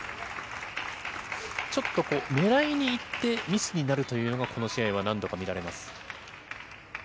ちょっと狙いにいってミスになるというのが、この試合は何度か見られます。